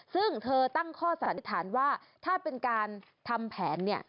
ซึ่งเธอตั้งข้อสารจิฐานว่าถ้าเป็นการทำแผน